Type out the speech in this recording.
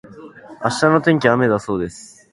明日の天気は雨だそうです。